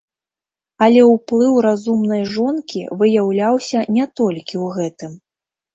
Але ўплыў разумнай жонкі выяўляўся не толькі ў гэтым.